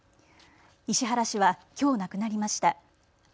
石原氏はきょう亡くなりました。